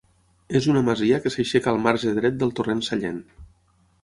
És una masia que s'aixeca el marge dret del torrent Sallent.